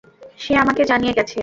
সে আমাকে জানিয়ে গেছে।